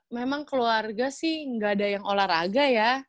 memang keluarga sih nggak ada yang olahraga ya